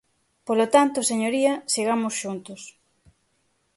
Polo tanto, señoría, sigamos xuntos.